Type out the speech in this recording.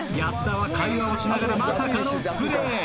安田は会話をしながらまさかのスプレー。